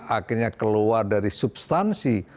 akhirnya keluar dari substansi